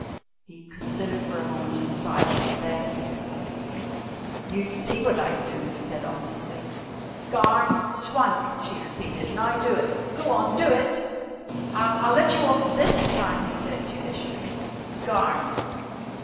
He considered for a moment in silence. Then: "You'd see what I'd do!" he said ominously. "Garn! Swank!" she repeated. "Now do it! Go on, do it!" "I'll let you off this time," he said judicially. "Garn!